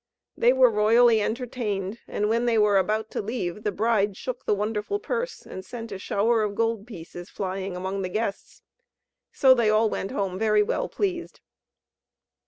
They were royally entertained, and when they were about to leave the bride shook the wonderful purse, and sent a shower of gold pieces flying among the guests; so they all went home very well pleased.